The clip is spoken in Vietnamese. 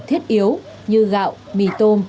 thiết yếu như gạo mì tôm